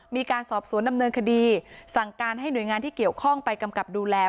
มีการสอบสวนดำเนินคดีสั่งการให้หน่วยงานที่เกี่ยวข้องไปกำกับดูแล